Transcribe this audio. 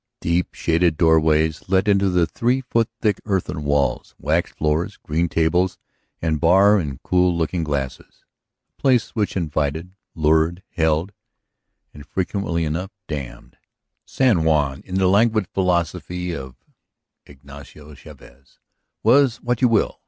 Deep shaded doorways let into the three feet thick earthen walls, waxed floors, green tables, and bar and cool looking glasses ... a place which invited, lured, held, and frequently enough finally damned. San Juan, in the languid philosophy of Ignacio Chavez, was what you will.